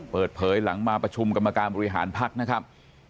เปิดเผยหลังมาประชุมกรรมการบริหารพักนะครับ